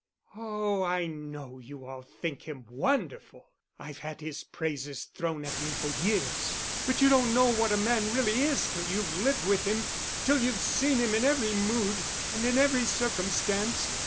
"Oh, I know you all think him wonderful. I've had his praises thrown at me for years. But you don't know what a man really is till you've lived with him, till you've seen him in every mood and in every circumstance.